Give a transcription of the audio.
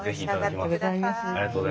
ありがとうございます。